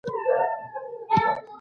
د نورو اعتراض او خبرې طرز دغسې نه دی.